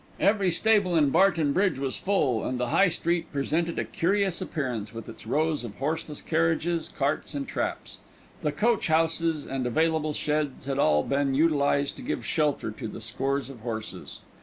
Every stable in Barton Bridge was full, and the High Street presented a curious appearance, with its rows of horseless carriages, carts, and traps. The coach houses and available sheds had all been utilised to give shelter to the scores of horses.